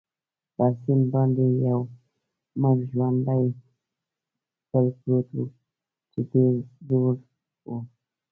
پر سیند باندې یو مړ ژواندی پل پروت وو، چې ډېر زوړ وو.